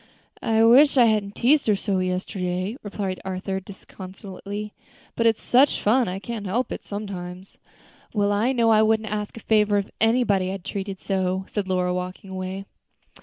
"I wish I hadn't teased her so yesterday," replied Arthur, disconsolately, "but it's such fun, I can't help it sometimes." "Well, I know I wouldn't ask a favor of anybody I had treated so," said Lora, walking away.